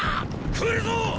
来るぞっ！